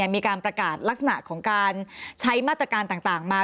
มีการประกาศลักษณะของการใช้มาตรการต่างมา